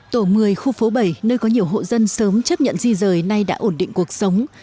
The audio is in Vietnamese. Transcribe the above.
tổ một mươi khu phố bảy nơi có nhiều hộ dân sớm chấp nhận di rời nay đã ổn định cuộc sống